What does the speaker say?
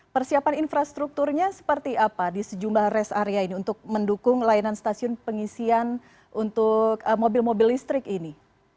persiapan infrastrukturnya seperti apa di sejumlah rest area ini untuk mendukung layanan stasiun pengisian untuk mobil mobil listrik ini